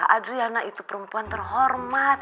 adriana itu perempuan terhormat